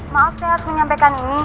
maaf saya harus menyampaikan ini